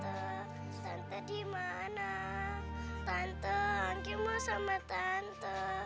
tante tante dimana tante anggi mau sama tante